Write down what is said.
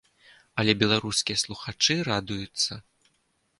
Але беларускія слухачы радуюцца.